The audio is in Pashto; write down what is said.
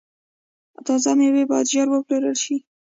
تازه میوې باید ژر وپلورل شي.